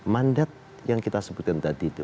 mandat yang kita sebutkan tadi itu